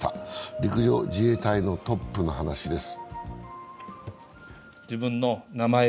陸上自衛隊のトップの話です。